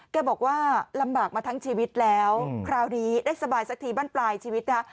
แกบอกว่าลำบากมาทั้งชีวิตแล้วคราวนี้ได้สบายสักทีบ้านปลายชีวิตนะฮะ